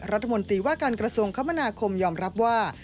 รัฐมนตรีว่าการกระทรวงคมนาคมยอมรับว่า